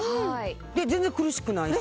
で全然苦しくないし。